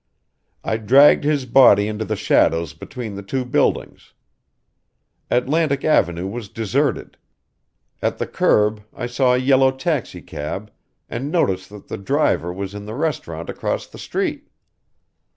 "I dragged his body into the shadows between the two buildings. Atlantic Avenue was deserted. At the curb I saw a yellow taxicab and noticed that the driver was in the restaurant across the street.